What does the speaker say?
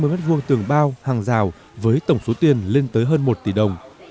bốn trăm năm mươi mét vuông tường bao hàng rào với tổng số tiền lên tới hơn một tỷ đồng